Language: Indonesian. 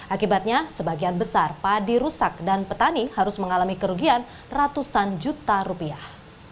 akibatnya sebagian besar padi rusak dan petani harus mengalami kerugian ratusan juta rupiah